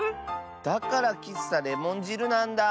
だからきっさレモンじるなんだ。